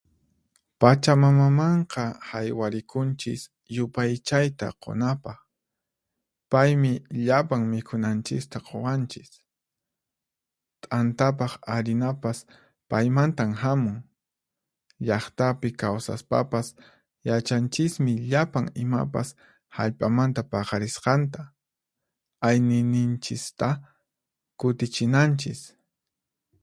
Pachamamamanqa haywarikunchis yupaychayta qunapaq. Paymi llapan mikhunanchista quwanchis, t'antapaq harinapas paymantan hamun. Llaqtapi kawsaspapas, yachanchismi llapan imapas hallp'amanta paqarisqanta. Ayniyninchista kutichinanchis.